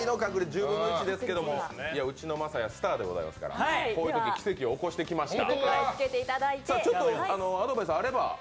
１０分の１ですけども、うちの晶哉はスターでございますから、こういうとき奇跡を起こしてきました。